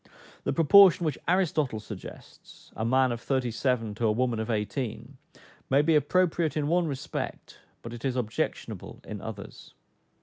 The proportion which Aristotle suggests (a man of thirty seven to a woman of eighteen,) may be appropriate in one respect, but it is objectionable in others.